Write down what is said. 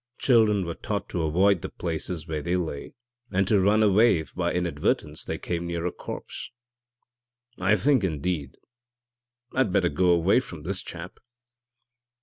Children were taught to avoid the places where they lay, and to run away if by inadvertence they came near a corpse. I think, indeed, I'd better go away from this chap.'